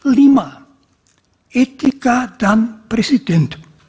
lima etika dan presiden